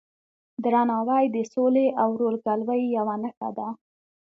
درناوی د سولې او ورورګلوۍ یوه نښه ده.